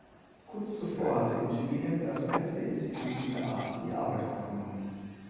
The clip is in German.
Kurz zuvor hatte in Tübingen das erste Institut dieser Art die Arbeit aufgenommen.